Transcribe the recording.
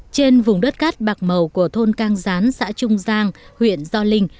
trên vùng đất cát bạc màu của thôn cang gián xã trung giang huyện gio linh